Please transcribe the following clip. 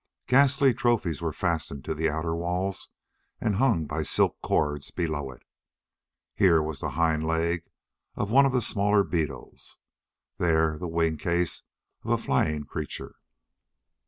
Ghastly trophies were fastened to the outer walls and hung by silken cords below it. Here was the hind leg of one of the smaller beetles, there the wing case of a flying creature.